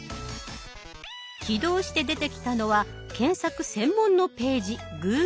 起動して出てきたのは検索専門のページ「Ｇｏｏｇｌｅ」です。